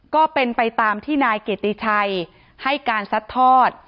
ก็เป็นไปตามที่นายเกียรติชัยให้การซัดทอด